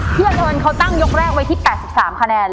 พี่เอิญเขาตั้งยกแรกไว้ที่๘๓คะแนน